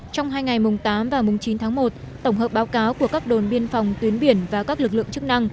trong hai ngày mùng tám và mùng chín tháng một tổng hợp báo cáo của các đồn biên phòng tuyến biển và các lực lượng chức năng